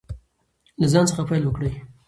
له ځان څخه پیل وکړئ.